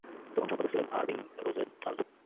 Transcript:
তখন সম্পাদক ছিলেন আরভিং রোজেনথাল।